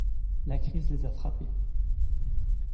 La crise les a frappés.